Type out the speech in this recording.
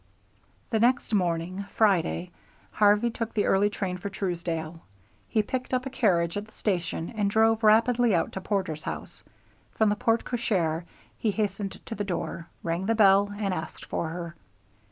The next morning, Friday, Harvey took the early train for Truesdale. He picked up a carriage at the station and drove rapidly out to Porter's home. From the porte cochere he hastened to the door, rang the bell, and asked for her.